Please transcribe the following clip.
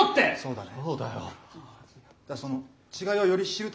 そうだね。